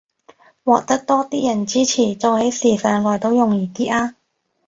獲得多啲人支持，做起事上來都容易啲吖